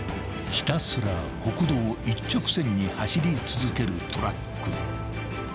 ［ひたすら国道を一直線に走り続けるトラック］